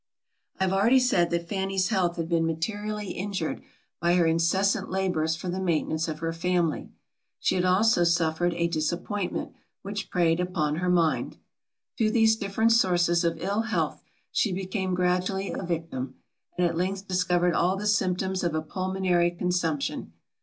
I have already said that Fanny's health had been materially injured by her incessant labours for the maintenance of her family. She had also suffered a disappointment, which preyed upon her mind. To these different sources of ill health she became gradually a victim; and at length discovered all the symptoms of a pulmonary consumption.